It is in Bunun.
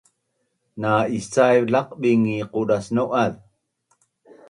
Na iscaiv laqbing ngi qudas nau’az